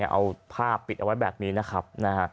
เอาผ้าปิดเอาไว้แบบนี้นะครับ